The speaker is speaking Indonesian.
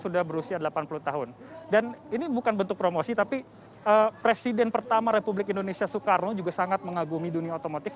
dan ini bukan bentuk promosi tapi presiden pertama republik indonesia soekarno juga sangat mengagumi dunia otomotif